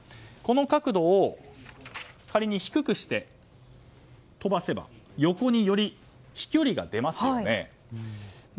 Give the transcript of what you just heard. この角度を仮に低くして飛ばせば横に、より飛距離が出ますよね。